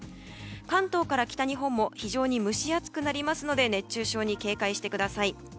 関東から北日本も非常に蒸し暑くなりますので熱中症に警戒してください。